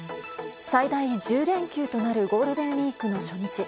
最大１０連休となるゴールデンウィークの初日。